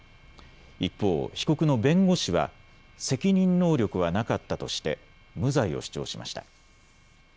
一方、被告の弁護士は責任能力はなかったとして無罪を主張しました。